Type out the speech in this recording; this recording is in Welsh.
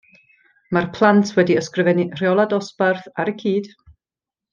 Mae'r plant wedi ysgrifennu rheolau dosbarth ar y cyd